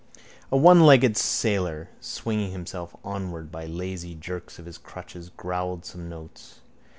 A onelegged sailor, swinging himself onward by lazy jerks of his crutches, growled some notes.